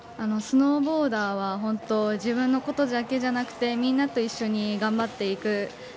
スノーボーダーは自分のことだけじゃなくてみんなと一緒に頑張っていく。